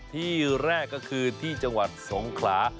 ที่แรกก็คือที่จังหวัดสงขลา